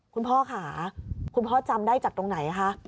คุณพ่อค่ะคุณพ่อจำได้จากตรงไหนคะ